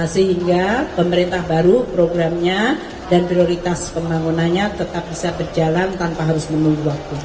sehingga pemerintah baru programnya dan prioritas pembangunannya tetap bisa berjalan tanpa harus menunggu waktu